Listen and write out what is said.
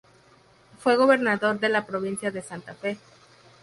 Fue gobernador de la Provincia de Santa Fe.